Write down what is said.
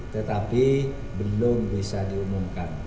tetapi belum bisa diumumkan